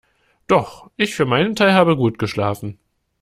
Doch, ich für meinen Teil, habe gut geschlafen.